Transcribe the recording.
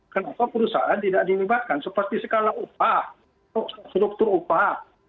kenapa perusahaan tidak dilibatkan seperti skala upah struktur upah